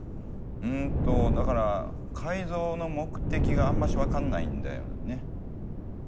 うんとだから改造の目的があんまし分かんないんだよね。